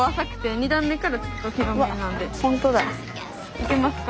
いけますか？